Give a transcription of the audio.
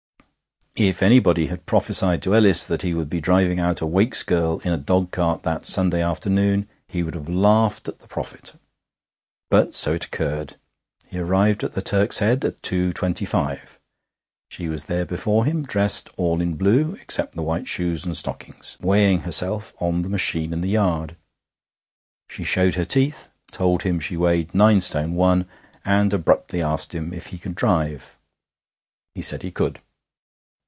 IV If anybody had prophesied to Ellis that he would be driving out a Wakes girl in a dogcart that Sunday afternoon he would have laughed at the prophet; but so it occurred. He arrived at the Turk's Head at two twenty five. She was there before him, dressed all in blue, except the white shoes and stockings, weighing herself on the machine in the yard. She showed her teeth, told him she weighed nine stone one, and abruptly asked him if he could drive. He said he could.